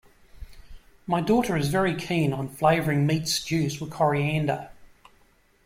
My daughter is very keen on flavouring meat stews with coriander